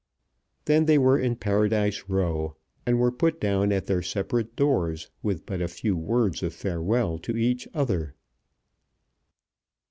Then they were in Paradise Row, and were put down at their separate doors with but few words of farewell to each other.